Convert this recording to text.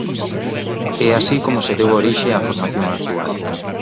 É así como deuse orixe á formación actual.